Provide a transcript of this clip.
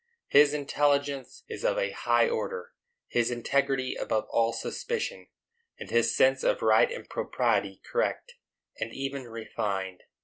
His intelligence is of a high order, his integrity above all suspicion, and his sense of right and propriety correct, and even refined.